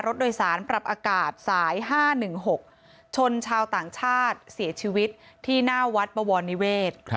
รถโดยสารปรับอากาศสาย๕๑๖ชนชาวต่างชาติเสียชีวิตที่หน้าวัดบวรนิเวศ